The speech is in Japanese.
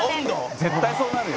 「絶対そうなるよ。